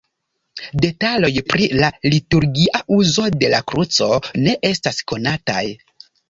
Detaloj pri la liturgia uzo de la kruco ne estas konataj.